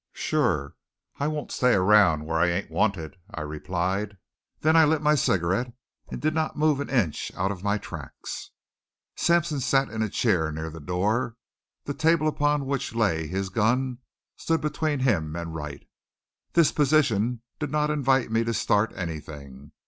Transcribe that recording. "Sure. I won't stay around where I ain't wanted," I replied. Then I lit my cigarette and did not move an inch out of my tracks. Sampson sat in a chair near the door; the table upon which lay his gun stood between him and Wright. This position did not invite me to start anything.